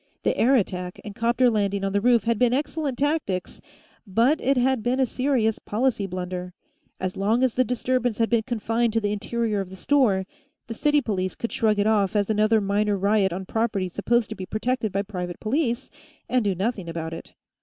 The air attack and 'copter landing on the roof had been excellent tactics, but it had been a serious policy blunder. As long as the disturbance had been confined to the interior of the store, the city police could shrug it off as another minor riot on property supposed to be protected by private police, and do nothing about it.